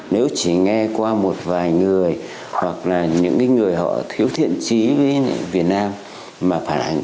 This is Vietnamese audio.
nếu chỉ nghe qua một vài người hoặc là những người họ thiếu thiện trí với việt nam mà phản ánh